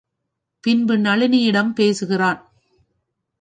பின்பு நளினியிடம் பேசுகிறான்.